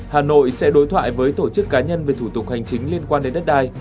hà nội sẽ đối thoại với tổ chức cá nhân về thủ tục hành chính liên quan đến đất đai